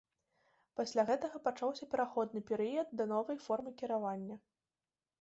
Пасля гэтага пачаўся пераходны перыяд да новай формы кіравання.